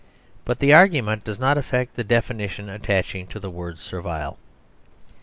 But the argument does not affect the definition attaching to the word servile.